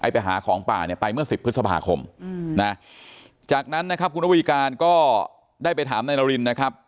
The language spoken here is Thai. ไปหาของป่าเนี่ยไปเมื่อ๑๐พฤษภาคมนะจากนั้นนะครับคุณอวีการก็ได้ไปถามนายนารินนะครับ